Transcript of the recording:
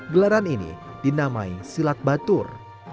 gelaran ini dinamai silat batur